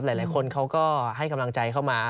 หลายคนเขาก็ให้กำลังใจเข้ามา